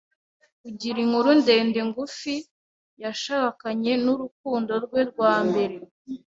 Kugira inkuru ndende ngufi, yashakanye nurukundo rwe rwa mbere.